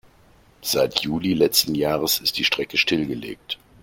Seit Juli letzten Jahres ist die Strecke stillgelegt.